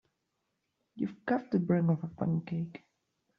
You've got the brain of a pancake.